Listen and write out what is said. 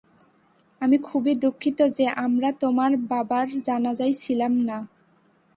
আমি খুবই দুঃখিত যে আমরা তোমার বাবার জানাজায় ছিলাম না।